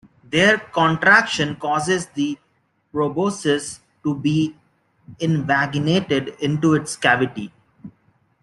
Their contraction causes the proboscis to be invaginated into its cavity.